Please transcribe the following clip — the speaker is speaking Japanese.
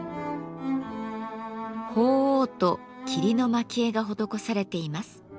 鳳凰と桐の蒔絵が施されています。